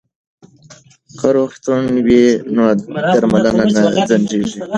که روغتون وي نو درملنه نه ځنډیږي.